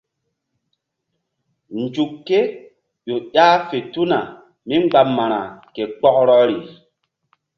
Nzuk ké ƴo ƴah fe tuna mí mgba ma̧ra ke kpɔkrɔri.